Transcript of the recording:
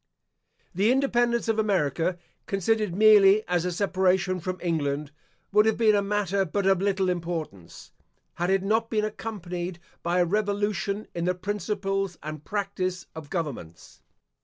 The independence of America, considered merely as a separation from England, would have been a matter but of little importance, had it not been accompanied by a revolution in the principles and practice of governments.